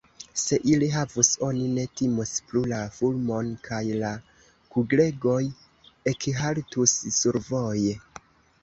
Se ili havus, oni ne timus plu la fulmon, kaj la kuglegoj ekhaltus survoje.